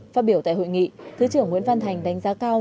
phát biểu tại hội nghị thứ trưởng nguyễn văn thành đánh giá cao